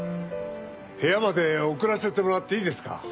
部屋まで送らせてもらっていいですか？